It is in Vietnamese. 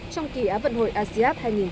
trong kỳ áp vận hội asean hai nghìn một mươi tám